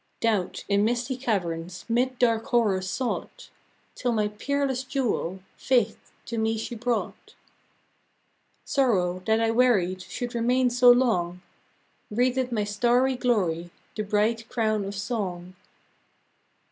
Doubt, in misty caverns, Mid dark horrors sought, Till my peerless jewel, Faith, to me she brought. Sorrow, that I wearied Should remain so long, Wreathed my starry glory, The bright Crown of Song.